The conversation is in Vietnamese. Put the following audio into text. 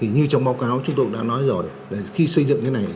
như trong báo cáo chúng tôi cũng đã nói rồi khi xây dựng cái này